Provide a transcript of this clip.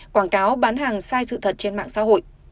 quảng cáo bán hàng sai sự thật trên mạng xã hội